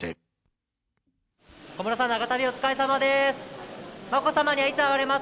小室さん、長旅お疲れさまです。